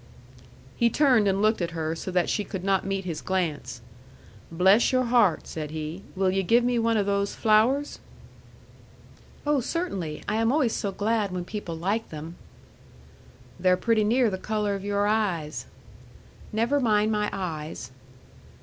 He turned and looked at her so that she could not meet his glance. "Bless your heart!" said he. "Will yu' give me one o' those flowers?" "Oh, certainly! I'm always so glad when people like them." "They're pretty near the color of your eyes." "Never mind my eyes."